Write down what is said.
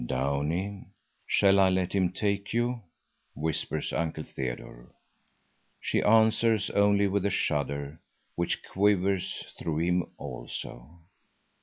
"Downie, shall I let him take you?" whispers Uncle Theodore. She answers only with a shudder, which quivers through him also.